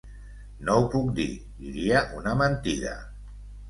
No ho puc dir, diria una mentida.